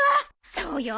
そうよ！